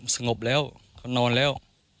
สงบแล้วเขานอนแล้ว